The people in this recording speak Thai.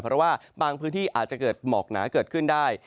เพราะว่าบางพื้นที่อาจจะเกิดหมอกหนาเกิดขึ้นได้